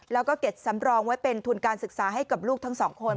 แล้วก็เก็บสำรองไว้เป็นทุนการศึกษาให้กับลูกทั้งสองคน